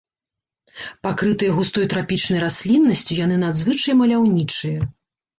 Пакрытыя густой трапічнай расліннасцю, яны надзвычай маляўнічыя.